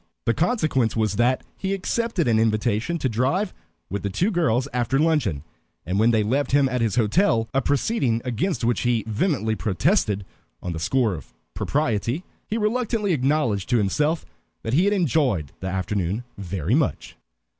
The consequence was that he accepted an invitation to drive with the two girls after luncheon, and when they left him at his hotel, a proceeding against which he vehemently protested on the score of propriety, he reluctantly acknowledged to himself that he had enjoyed the afternoon very much.